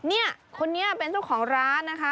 เนี่ยคนนี้เป็นเจ้าของร้านนะคะ